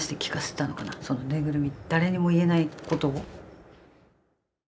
その縫いぐるみに誰にも言えないことを。